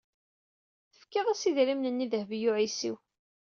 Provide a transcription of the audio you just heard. Tefkiḍ-as idrimen-nni i Dehbiya u Ɛisiw.